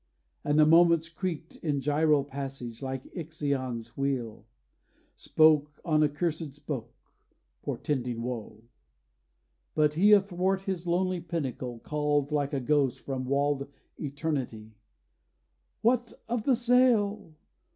And the moments creaked In gyral passage, like Ixion's wheel, Spoke on accursèd spoke, portending woe. But he, athwart his lonely pinnacle Called like a ghost from walled eternity: 'What of the sail?